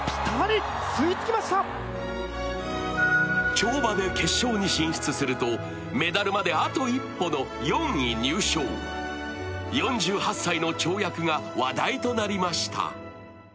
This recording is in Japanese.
跳馬で決勝に進出するとメダルまであと一歩の４位入賞、４８歳の跳躍が話題となりました。